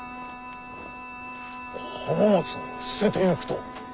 浜松は捨てていくと？